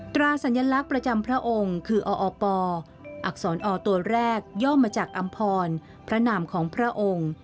ตราสัญลักษณ์ประจำพระองค์คือออปอักษรอตัวแรกย่อมาจากอำพรพระนามของพระองค์